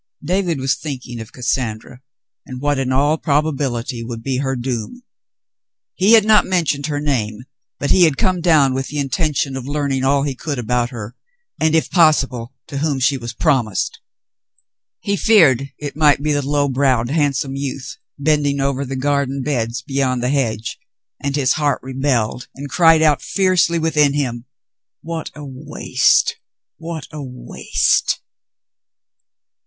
David was thinking of Cassandra and what in all prob ability would be her doom. He had not mentioned her name, but he had come down with the intention of learning David visits the Bishop 133 all he could about her, and if possible to whom she was *'promised." He feared it might be the low browed, handsome youth bending over the garden beds beyond the hedge, and his heart rebelled and cried out fiercely within him, *'What a waste, what a waste!"